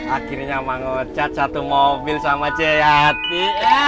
akhirnya mang wocat satu mobil sama ceyati